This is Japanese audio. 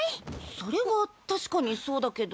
それは確かにそうだけど。